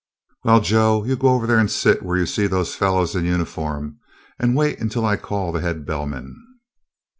"Well, Joe, you go over there and sit where you see those fellows in uniform, and wait until I call the head bellman."